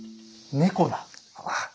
猫だ！